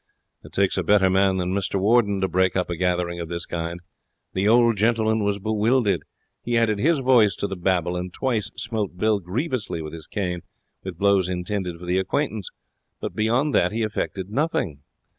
It takes a better man than Mr Warden to break up a gathering of this kind. The old gentleman was bewildered. He added his voice to the babel, and twice smote Bill grievously with his cane with blows intended for the acquaintance, but beyond that he effected nothing.